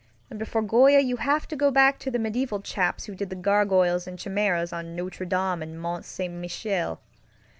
And before Goya you have to go back to the medieval chaps who did the gargoyles and chimeras on Notre Dame and Mont Saint Michel.